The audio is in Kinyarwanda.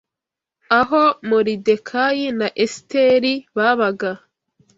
aho Moridekayi na Esiteri babaga